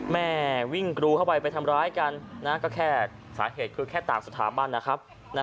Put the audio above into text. แม่วิ่งกรูเข้าไปไปทำร้ายกันก็แค่สาเหตุคือแค่ต่างสถาบันนะครับ